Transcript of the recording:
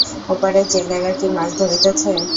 ওপারের জেলেরা কি মাছ ধরিতেছে?